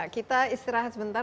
kita istirahat sebentar